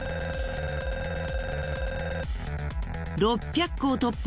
６００個を突破。